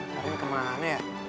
karin kemana ya